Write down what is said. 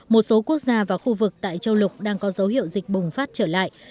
một số quốc gia và khu vực tại châu lục đang có dấu hiệu dịch bùng phát trở lại